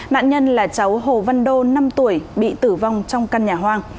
nạn nhân là cháu hồ văn đô năm tuổi bị tử vong trong căn nhà hoang